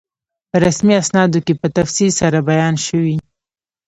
په رسمي اسنادو کې په تفصیل سره بیان شوی.